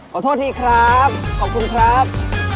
ขอโทษทีครับขอบคุณครับ